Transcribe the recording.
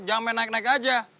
jangan naik naik aja